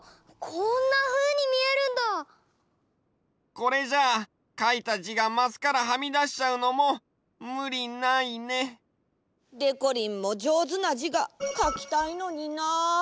これじゃあかいたじがマスからはみだしちゃうのもむりないね。でこりんもじょうずなじがかきたいのにな。